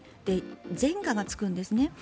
前科がつくんですね。